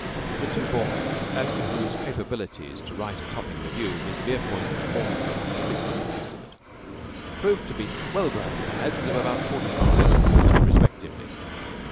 The two boys, as to whose capabilities to write a topping revue Miss Verepoint had formed so optimistic an estimate, proved to be well grown lads of about forty five and forty, respectively.